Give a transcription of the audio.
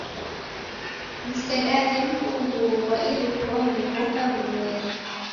Msedaghe mfunguo ghwa irikonyi ghoka ghumweri.